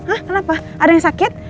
ah kenapa ada yang sakit